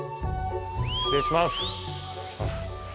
失礼します。